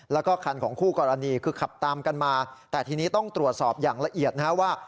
แล้วก็คันของคู่กรณีคือขับตามกันมาแต่ทีนี้ต้องตรวจสอบอย่างละเอียดนะฮะว่า